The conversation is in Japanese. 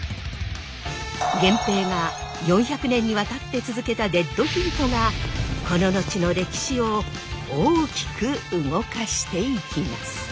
源平が４００年にわたって続けたデッドヒートがこの後の歴史を大きく動かしてゆきます。